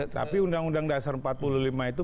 tapi undang undang dasar empat puluh lima itu